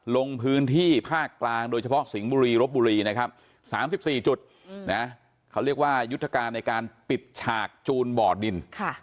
ลงพื้นที่ภาคกลางโดยเฉพาะสิงห์บุรีรบบุรีนะครับ๓๔จุดเขาเรียกว่ายุทธการในการปิดฉากจูนบ่อดิน